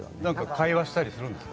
会話したりしてるんですか？